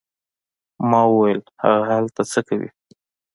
ما وویل: هغه هلته څه کوي؟